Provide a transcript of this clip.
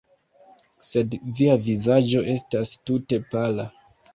Sed via vizaĝo estas tute pala!